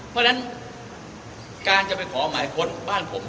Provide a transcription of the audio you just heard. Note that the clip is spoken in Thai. เพราะฉะนั้นการจะไปขอหมายค้นบ้านผม